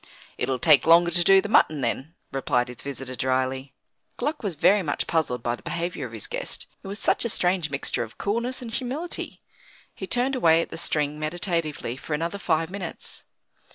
"It'll take longer to do the mutton, then," replied his visitor, dryly. Gluck was very much puzzled by the behaviour of his guest; it was such a strange mixture of coolness and humility. He turned away at the string meditatively for another five minutes.